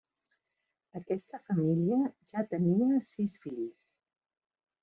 Aquesta família ja tenia sis fills.